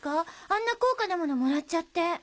あんな高価な物もらっちゃって。